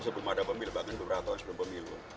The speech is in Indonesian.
sebelum ada pemilu bahkan beberapa tahun sebelum pemilu